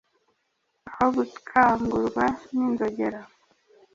Aho gukangurwa n’inzogera,